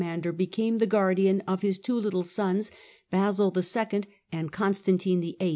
mander, became the guardian of his two little sons, Basil tonos, II. and Constantine VIII.